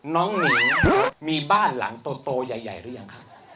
หนิงมีบ้านหลังโตใหญ่หรือยังครับ